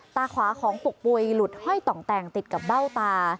ตาขวาของปุกปุ๋ยหลุดห้อยต่องแต่งติดกับเบ้าตา